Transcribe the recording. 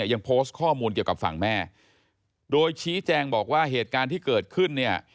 ยังโพสต์ข้อมูลเกี่ยวกับฝั่งแม่โดยชี้แจงบอกว่าเหตุการณ์ที่เกิดขึ้นเนี่ย